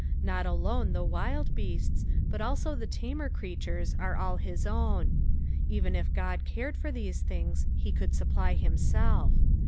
Not alone the wild beasts, but also the tamer creatures are all his own. Even if God cared for these things, he could supply himself.